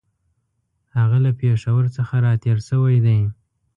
هغه له پېښور څخه را تېر شوی دی.